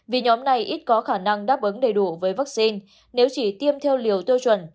vì nhóm này ít có khả năng đáp ứng đầy đủ với vaccine nếu chỉ tiêm theo liều tiêu chuẩn